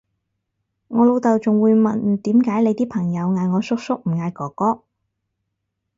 我老豆仲會問點解你啲朋友嗌我叔叔唔嗌哥哥？